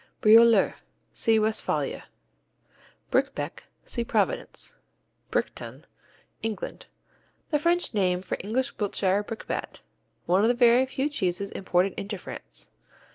Brioler see Westphalia. Briquebec see Providence Briqueton England The French name for English Wiltshire Brickbat, one of the very few cheeses imported into France.